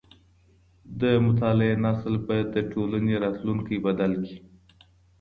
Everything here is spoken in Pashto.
د مطالعې نسل به د ټولني راتلونکی بدل کړي.